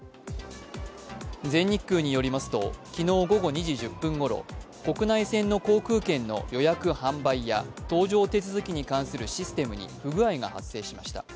全日空によりますと、昨日午後２時１０分ごろ国内線の航空券の予約・販売や搭乗手続きに関するシステムに不具合が発生しました。